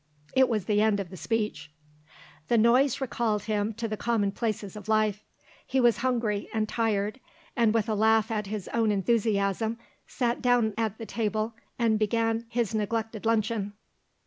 It was the end of the speech. The noise recalled him to the commonplaces of life. He was hungry and tired, and with a laugh at his own enthusiasm sat down at the table and began his neglected luncheon.